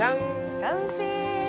完成！